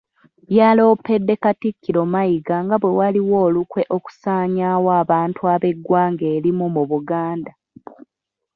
Yaloopedde Katikkiro Mayiga nga bwe waliwo olukwe okusanyaawo abantu ab’eggwanga erimu mu Buganda